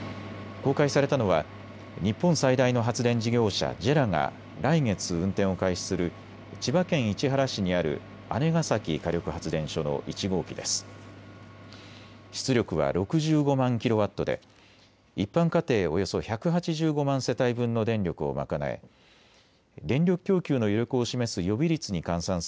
公開されたのは日本最大の発電事業者、ＪＥＲＡが来月運転を開始する千葉県市原市にある姉崎火力発電所の１号機です。